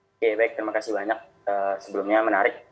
oke baik terima kasih banyak sebelumnya menarik